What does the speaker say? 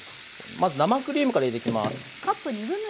まず生クリームから入れていきます。